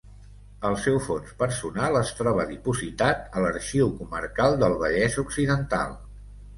El seu fons personal es troba dipositat a l'Arxiu Comarcal del Vallès Occidental.